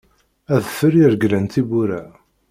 Adfel iregglen tiwwura.